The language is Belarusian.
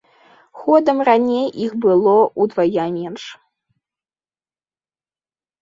Годам раней іх было ўдвая менш.